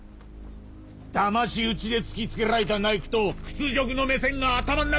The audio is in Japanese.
だまし討ちで突き付けられたナイフと屈辱の目線が頭ん中